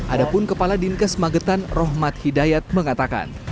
ada pun kepala dinkes magetan rohmat hidayat mengatakan